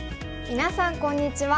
みなさんこんにちは。